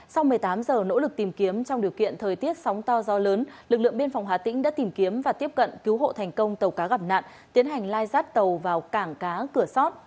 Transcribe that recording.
sau một mươi tám giờ nỗ lực tìm kiếm trong điều kiện thời tiết sóng to gió lớn lực lượng biên phòng hà tĩnh đã tìm kiếm và tiếp cận cứu hộ thành công tàu cá gặp nạn tiến hành lai rát tàu vào cảng cá cửa sót